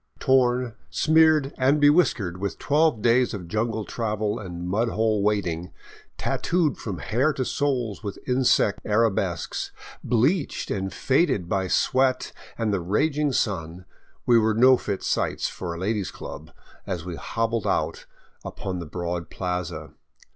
Torn, 579 VAGABONDING DOWN THE ANDES smeared, and bewhiskered with twelve days of jungle travel and mud hole wading, tattooed from hair to soles with insect arabesques, bleached and faded by sweat and the raging sun, we were no fit sights for a ladies' club as we hobbled out upon the broad plaza.